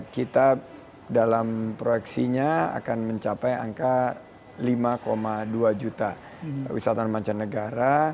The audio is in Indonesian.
kita dalam proyeksinya akan mencapai angka lima dua juta wisatawan mancanegara